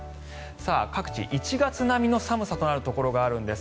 各地、１月並みの寒さとなるところがあるんです。